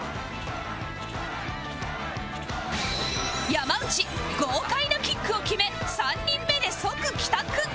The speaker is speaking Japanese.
山内豪快なキックを決め３人目で即帰宅